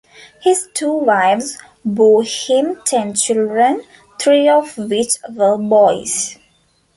His two wives bore him ten children, three of which were boys.